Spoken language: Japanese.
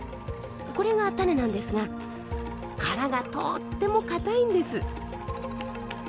これが種なんですが殻がとっても堅いんです。